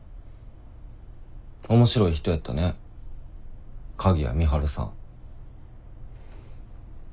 面白い人やったね鍵谷美晴さん。